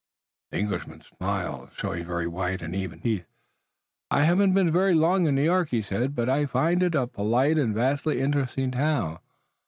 The Englishman smiled, showing very white and even teeth. "I haven't been very long in New York," he said, "but I find it a polite and vastly interesting town.